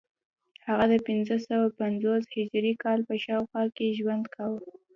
هغه د پنځه سوه پنځوس هجري کال په شاوخوا کې ژوند کاوه